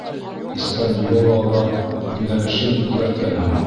«Испаньола» ла йүнәлешен үҙгәрткән һымаҡ.